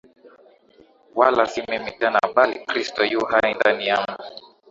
wala si mimi tena bali Kristo yu hai ndani yangu